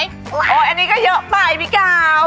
อันนี้ก็เยอะไปพี่กาว